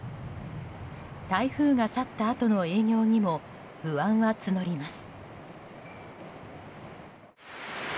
台風が去ったあとの営業にも不安は募ります。